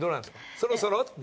そろそろ。